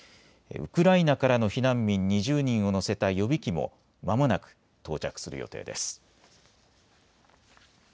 ウクライナからの避難民２０人を乗せた予備機もまもなく到着する予定です。